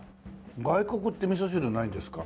外国ってみそ汁ないんですか？